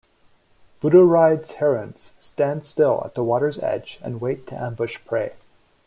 "Butorides" herons stand still at the water's edge and wait to ambush prey.